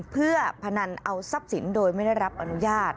เพื่อพนันเอาทรัพย์สินโดยไม่ได้รับอนุญาต